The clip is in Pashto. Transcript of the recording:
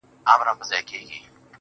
او په کومه بڼه به وي.